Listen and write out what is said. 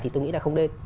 thì tôi nghĩ là không nên